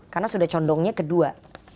karena sudah condongnya kedua